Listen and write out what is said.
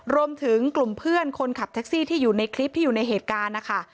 รวมถึงกลุ่มเพื่อนคนขับแท็กซี่ที่อยู่ในคลิปที่อยู่ในเหตุการณ์นะคะ